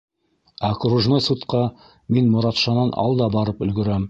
Окружной судҡа мин Моратшанан алда барып өлгөрәм.